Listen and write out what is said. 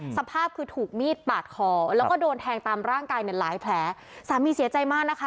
สภาพคือถูกมีดปาดคอแล้วก็โดนแทงตามร่างกายเนี่ยหลายแผลสามีเสียใจมากนะคะ